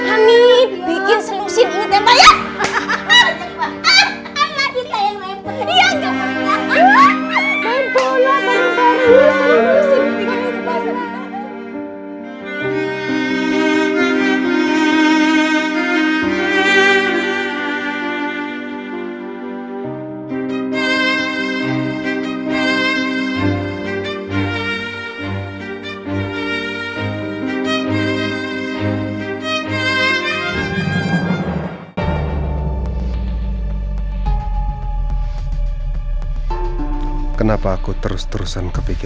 amin bikin selusin inget deh mbak ya